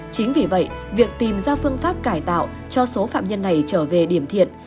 chính vì vậy việc tìm ra phương pháp cải tạo cho số phạm nhân này trở về điểm thiện